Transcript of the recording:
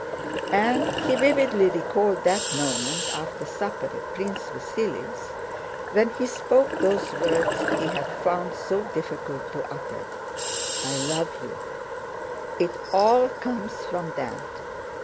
And he vividly recalled that moment after supper at Prince Vasíli's, when he spoke those words he had found so difficult to utter: "I love you." "It all comes from that!